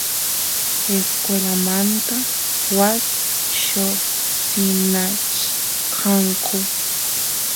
escuelamanta waas lloqsinachkanku